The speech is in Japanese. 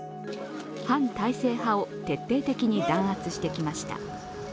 反体制派を徹底的に弾圧してきました。